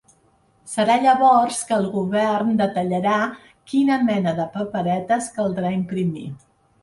Serà llavors que el govern detallarà quina mena de paperetes caldrà imprimir.